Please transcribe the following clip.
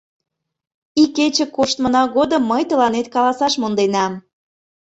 Икече коштмына годым мый тыланет каласаш монденам.